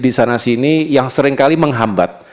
di sana sini yang seringkali menghambat